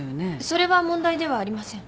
それは問題ではありません。